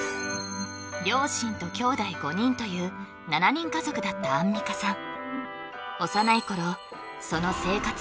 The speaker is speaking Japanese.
両親ときょうだい５人という７人家族だったアンミカさん